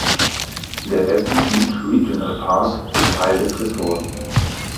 Der Leslie Beach Regional Park ist Teil des Ressorts.